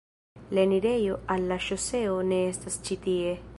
La enirejo al la ŝoseo ne estas ĉi tie.